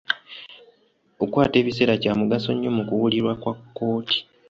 Okwata ebiseera kya mugaso nnyo mu kuwulirwa kwa kkooti.